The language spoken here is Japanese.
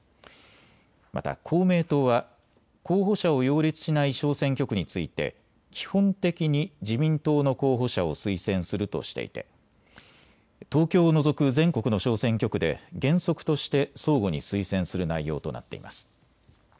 また公明党は候補者を擁立しない小選挙区について基本的に自民党の候補者を推薦するとしていて東京を除く全国の小選挙区で原則として相互に推薦する内容となっています。